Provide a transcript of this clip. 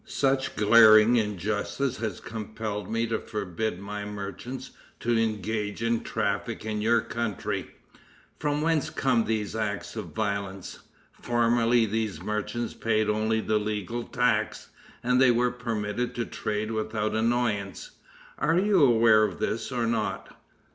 "Such glaring injustice has compelled me to forbid my merchants to engage in traffic in your country. From whence come these acts of violence? Formerly these merchants paid only the legal tax, and they were permitted to trade without annoyance. Are you aware of this, or not?